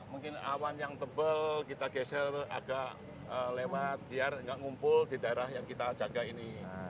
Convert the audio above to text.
mungkin awan yang tebal kita geser agak lewat biar nggak ngumpul di daerah yang kita jaga ini